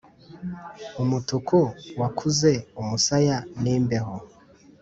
umutuku wakuze umusaya n'imbeho,